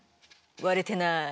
割れてない。